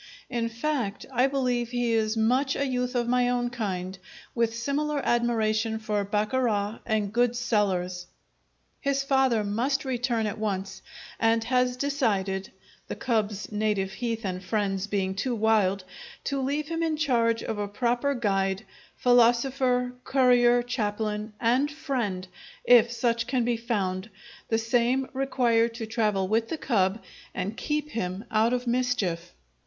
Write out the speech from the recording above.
In fact, I believe he is much a youth of my own kind with similar admiration for baccarat and good cellars. His father must return at once, and has decided (the cub's native heath and friends being too wild) to leave him in charge of a proper guide, philosopher, courier, chaplain, and friend, if such can be found, the same required to travel with the cub and keep him out of mischief.